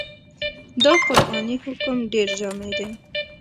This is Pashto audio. دا قرآني حکم ډېر جامع دی.